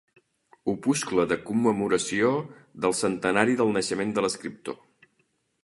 Opuscle de commemoració del centenari del naixement de l'escriptor.